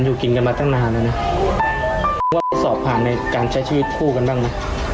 พูดอย่างนี้มันคลาสไทม์